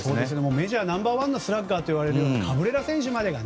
メジャーナンバー１のスラッガーと呼ばれるカブレラ選手までが。